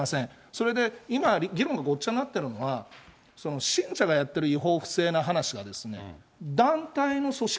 それで今、議論がごっちゃになってるのは、信者がやってる違法、不正な話は、団体の組織